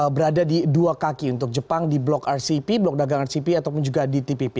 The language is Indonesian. berada di dua kaki untuk jepang di blok rcep blok dagangan cp ataupun juga di tpp